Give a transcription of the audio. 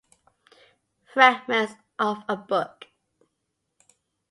Fragments of a Book.